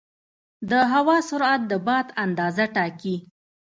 د هوا سرعت د باد اندازه ټاکي.